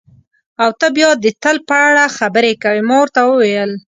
او ته بیا د تل په اړه خبرې کوې، ما ورته وویل.